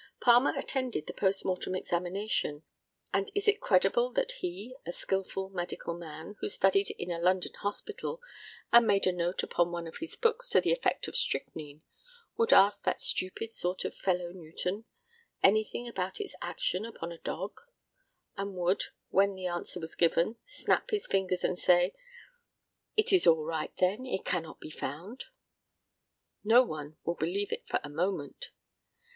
Palmer attended the post mortem examination; and is it credible that he, a skilful medical man, who studied in a London hospital, and made a note upon one of his books of the effect of strychnine, would ask that stupid sort of fellow Newton anything about its action upon a dog; and would, when the answer was given, snap his fingers and say, "It is all right, then, it cannot be found." No one will believe it for a moment.